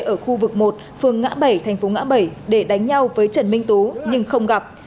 ở khu vực một phương ngã bảy thành phố ngã bảy để đánh nhau với trần minh tú nhưng không gặp